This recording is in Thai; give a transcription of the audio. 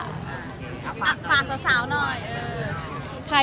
อ่ะฝากสาวหน่อย